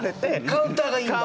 カウンターがいいんだ？